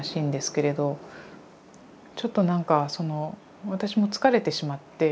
ちょっとなんかその私も疲れてしまって。